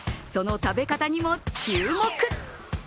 その食べ方にも注目。